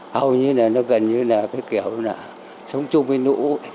hầu như là nó gần như là cái kiểu là sống chung với nũ ấy